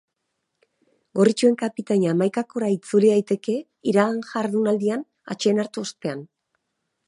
Gorritxoen kapitaina hamaikakora itzuli daiteke iragan jardunaldian atseden hartu ostean.